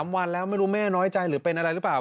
๓วันแล้วไม่รู้แม่น้อยใจหรือเป็นอะไรหรือเปล่า